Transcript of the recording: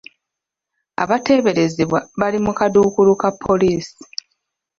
Abateeberezebwa bali mu kadduukulu ka poliisi.